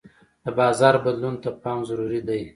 د بازار بدلون ته پام ضروري دی.